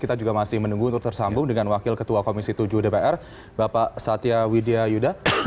kita juga masih menunggu untuk tersambung dengan wakil ketua komisi tujuh dpr bapak satya widya yuda